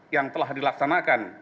yang telah dilaksanakan